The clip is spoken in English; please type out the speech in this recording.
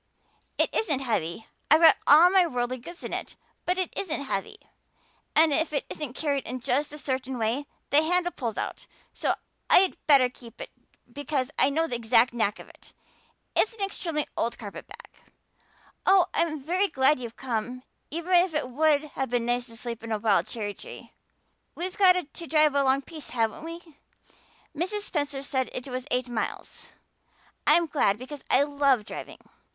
"It isn't heavy. I've got all my worldly goods in it, but it isn't heavy. And if it isn't carried in just a certain way the handle pulls out so I'd better keep it because I know the exact knack of it. It's an extremely old carpet bag. Oh, I'm very glad you've come, even if it would have been nice to sleep in a wild cherry tree. We've got to drive a long piece, haven't we? Mrs. Spencer said it was eight miles. I'm glad because I love driving.